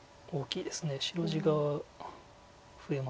白地が増えますもんね。